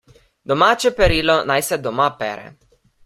Domače perilo naj se doma pere.